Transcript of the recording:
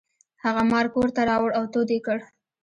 هغه مار کور ته راوړ او تود یې کړ.